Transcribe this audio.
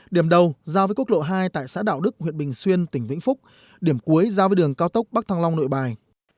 điểm đầu giao với quốc lộ hai tại xã đạo đức huyện bình xuyên tỉnh vĩnh phúc điểm cuối giao với đường cao tốc bắc thăng long nội bài